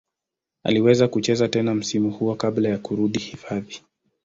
Aliweza kucheza tena msimu huo kabla ya kurudi hifadhi.